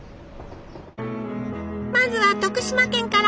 まずは徳島県から！